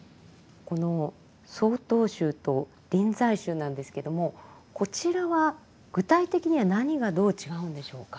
この曹洞宗と臨済宗なんですけどもこちらは具体的には何がどう違うんでしょうか？